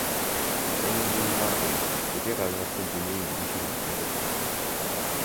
Энди Маррей — жеке разрядда дүйнөнүн биринчи ракеткасы.